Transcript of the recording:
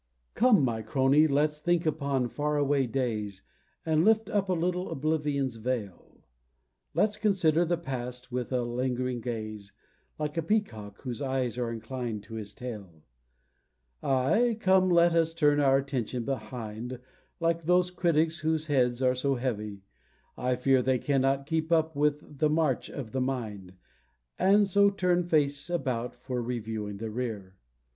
Come, my Crony, let's think upon far away days, And lift up a little Oblivion's veil; Let's consider the past with a lingering gaze, Like a peacock whose eyes are inclined to his tail. Aye, come, let us turn our attention behind, Like those critics whose heads are so heavy, I fear, That they cannot keep up with the march of the mind, And so turn face about for reviewing the rear.